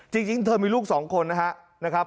จริงเธอมีลูกสองคนนะฮะ